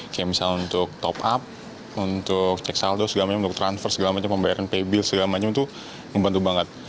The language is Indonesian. kayak misalnya untuk top up untuk cek saldo untuk transfer membayar pay bill segala macam itu ngebantu banget